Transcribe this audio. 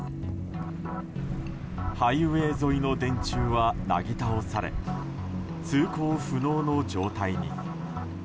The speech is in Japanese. ハイウェー沿いの電柱はなぎ倒され通行不能の状態に。